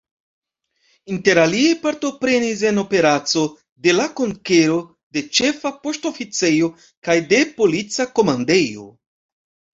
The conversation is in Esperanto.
Interalie partoprenis en operaco de la konkero de Ĉefa Poŝtoficejo kaj de Polica Komandejo.